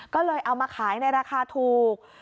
ก็เลยเอามาขายในราคาถูก